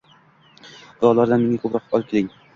Va ulardan menga ko‘proq olib keling.